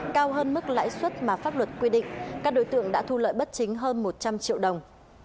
cao hơn mức lãi suất mà pháp luật quy định các đối tượng đã thu lợi bất chính hơn một trăm linh triệu đồng